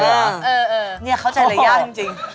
เนี่ยเข้าใจอะไรยากจริง